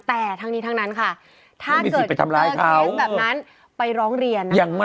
แต่ทั้งนี้ทั้งนั้นค่ะถ้าเกิดเจอเคสแบบนั้นไปร้องเรียนนะคะ